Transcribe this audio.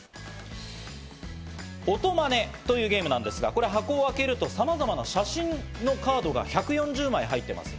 オトマネというゲームなんですが、これ箱開けるとさまざまな写真のカードが１４０枚入ってます。